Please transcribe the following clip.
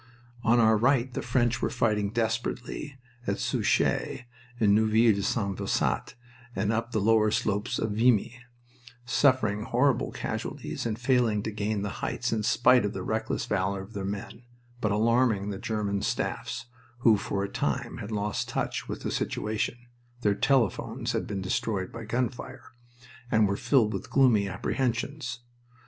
On our right the French were fighting desperately at Souchez and Neuville St. Vaast and up the lower slopes of Vimy, suffering horrible casualties and failing to gain the heights in spite of the reckless valor of their men, but alarming the German staffs, who for a time had lost touch with the situation their telephones had been destroyed by gun fire and were filled with gloomy apprehensions.